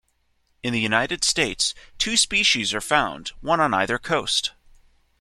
In the United States, two species are found, one on either coast.